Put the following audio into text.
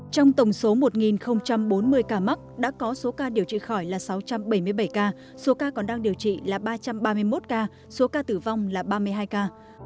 trong tổng số một bốn mươi ca mắc đã có số ca điều trị khỏi là sáu trăm bảy mươi bảy ca số ca còn đang điều trị là ba trăm ba mươi một ca số ca tử vong là ba mươi hai ca